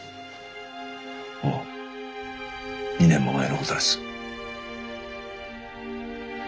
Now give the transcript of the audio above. もう２年も前のことです。